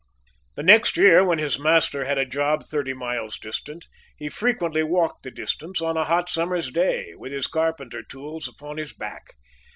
The next year when his master had a job thirty miles distant, he frequently walked the distance on a hot summer's day, with his carpenter's tools upon his back.